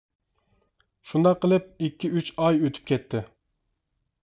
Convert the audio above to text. شۇنداق قىلىپ ئىككى ئۈچ ئاي ئۆتۈپ كەتتى.